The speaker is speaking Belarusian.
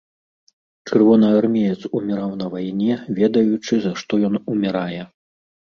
Чырвонаармеец уміраў на вайне, ведаючы, за што ён умірае.